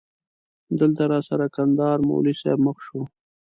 دلته راسره کندهاری مولوی صاحب مخ شو.